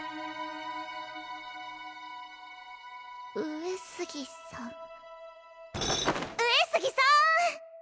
上杉さん上杉さん！